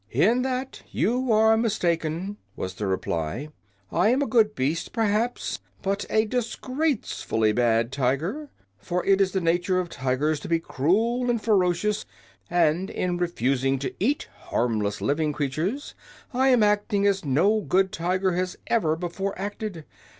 "In that you are mistaken," was the reply. "I am a good beast, perhaps, but a disgracefully bad tiger. For it is the nature of tigers to be cruel and ferocious, and in refusing to eat harmless living creatures I am acting as no good tiger has ever before acted.